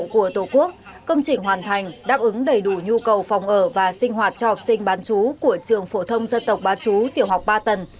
của tổ quốc công trình hoàn thành đáp ứng đầy đủ nhu cầu phòng ở và sinh hoạt cho học sinh bán chú của trường phổ thông dân tộc bán chú tiểu học ba tầng